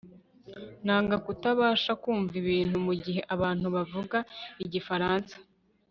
nanga kutabasha kumva ibintu mugihe abantu bavuga igifaransa